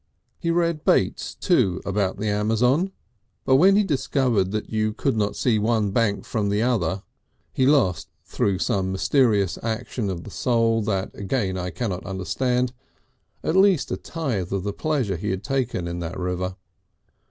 He read Bates, too, about the Amazon, but when he discovered that you could not see one bank from the other, he lost, through some mysterious action of the soul that again I cannot understand, at least a tithe of the pleasure he had taken in that river.